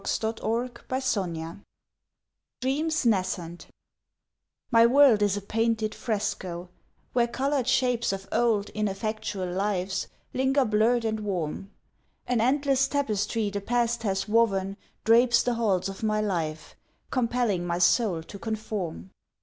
DREAMS OLD AND NASCENT NASCENT MY world is a painted fresco, where coloured shapes Of old, ineffectual lives linger blurred and warm; An endless tapestry the past has woven drapes The halls of my life, compelling my soul to conform.